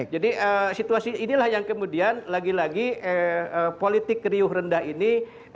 jadi situasi inilah yang kemudian lagi lagi politik riuh rendah ini